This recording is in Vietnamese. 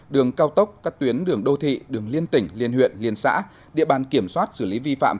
đường cao tốc các tuyến đường đô thị đường liên tỉnh liên huyện liên xã địa bàn kiểm soát xử lý vi phạm